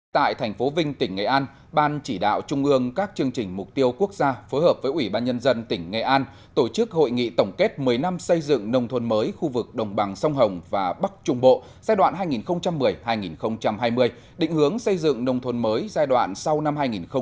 tại thành phố vinh tỉnh nghệ an ban chỉ đạo trung ương các chương trình mục tiêu quốc gia phối hợp với ủy ban nhân dân tỉnh nghệ an tổ chức hội nghị tổng kết một mươi năm xây dựng nông thôn mới khu vực đồng bằng sông hồng và bắc trung bộ giai đoạn hai nghìn một mươi hai nghìn hai mươi định hướng xây dựng nông thôn mới giai đoạn sau năm hai nghìn hai mươi